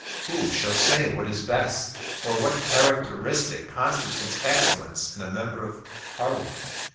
Who shall say what is best; or what characteristic constitutes excellence in a member of Parliament?